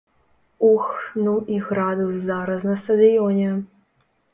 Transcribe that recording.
Ух, ну і градус зараз на стадыёне!